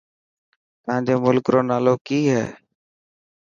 تانجي ملڪ رو نالو ڪي هي.